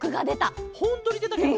ほんとにでたケロ？